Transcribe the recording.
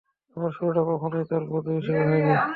আমার শুরুটা কখনোই তার বধূ হিসেবে হয়নি।